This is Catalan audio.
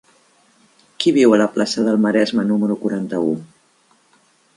Qui viu a la plaça del Maresme número quaranta-u?